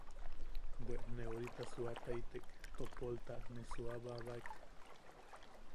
Bwe ne orita suuataitek topolta, ne suuababaek.